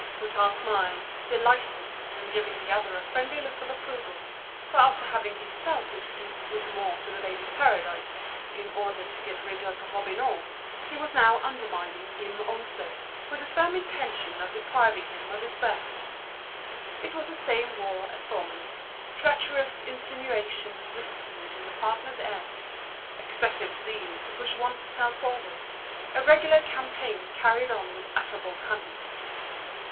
Hutin smiled, delighted, approving by a friendly look; for after having himself introduced Bouthemont into The Ladies' Paradise, in order to drive out Robineau, he was now undermining him also, with the firm intention of robbing him of his place. It was the same war as formerly, treacherous insinuations whispered in the partners' ears, an excessive display of zeal in order to push one's self forward, a regular campaign carried on with affable cunning.